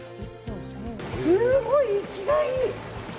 すごい、生きがいい。